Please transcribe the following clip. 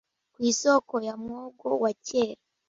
ku isoko ya mwogo wa kera